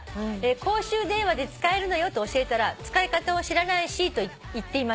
「公衆電話で使えるのよと教えたら『使い方を知らないし』と言っていました」